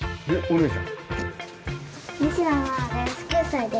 お兄ちゃん。